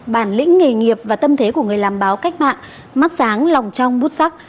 bản lĩnh nghề nghiệp và tâm thế của người làm báo cách mạng mắt sáng lòng trong bút sắc